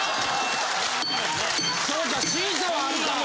そうか審査はあるか。